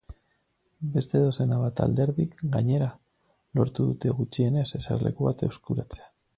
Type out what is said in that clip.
Beste dozena bat alderdik, gainera, lortu dute gutxienez eserleku bat eskuratzea.